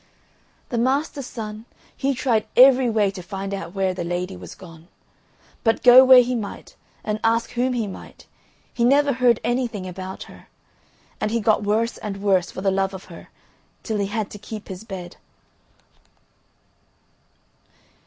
The master's son he tried every way to find out where the lady was gone, but go where he might, and ask whom he might, he never heard anything about her. And he got worse and worse for the love of her till he had to keep his bed.